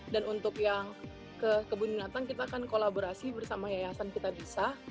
dan untuk yang kebun binatang kita akan kolaborasi bersama yayasan kita bisa